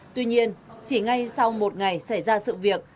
tuy nhiên chỉ ngay sau một ngày xảy ra sự việc